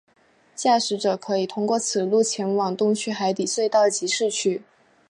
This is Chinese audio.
驾驶者可以通过此路前往东区海底隧道及市区。